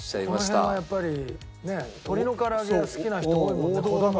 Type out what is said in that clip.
この辺はやっぱりね鶏のから揚げが好きな人多いもんね子供が。